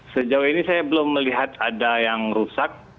sejauh ini saya belum melihat ada yang rusak